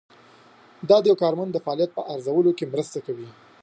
دا د یو کارمند د فعالیت په ارزولو کې مرسته کوي.